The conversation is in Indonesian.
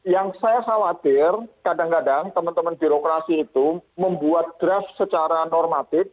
yang saya khawatir kadang kadang teman teman birokrasi itu membuat draft secara normatif